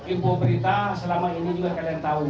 info berita selama ini juga kalian tahu